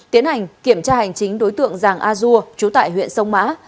tiến hành kiểm tra hành chính đối tượng giàng a dua chú tại huyện sông mã